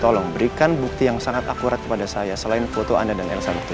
tolong berikan bukti yang sangat akurat kepada saya selain foto anda dan elsa itu